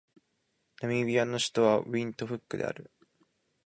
ナミビアの首都はウィントフックである